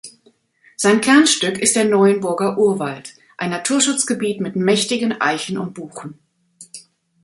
Sein Kernstück ist der Neuenburger Urwald, ein Naturschutzgebiet mit mächtigen Eichen und Buchen.